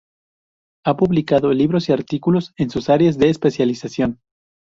Ha publicado libros y artículos en sus áreas de especialización.